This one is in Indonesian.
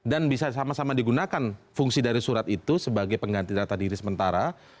dan bisa sama sama digunakan fungsi dari surat itu sebagai pengganti data diri sementara